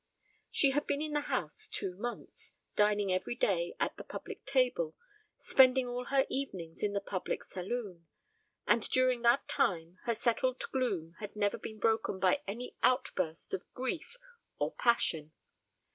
She had been in the house two months, dining every day at the public table, spending all her evenings in the public saloon; and during that time her settled gloom had never been broken by any outburst of grief or passion.